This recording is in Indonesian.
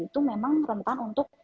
itu memang merupakan untuk